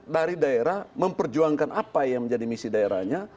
dari daerah memperjuangkan apa yang menjadi misi daerahnya